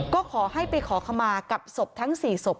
ก็ขอให้ไปขอขมากับศพทั้ง๔ศพ